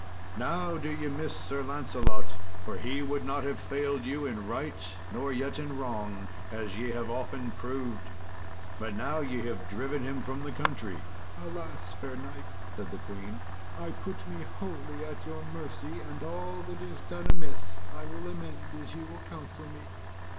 Now do ye miss Sir Lancelot, for he would not have failed you in right nor yet in wrong, as ye have often proved, but now ye have driven him from the country." "Alas! fair knight," said the queen, "I put me wholly at your mercy, and all that is done amiss I will amend as ye will counsel me."